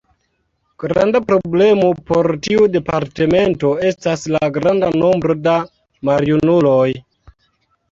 Granda problemo por tiu departemento estas la granda nombro da maljunuloj.